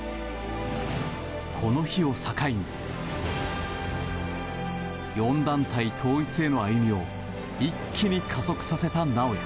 この日を境に４団体統一への歩みを一気に加速させた尚弥。